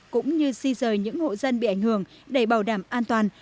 cũng như di rời những hộ dân bị ảnh hưởng để bảo đảm an toàn